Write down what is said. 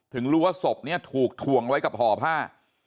รู้ว่าศพนี้ถูกถ่วงไว้กับห่อผ้า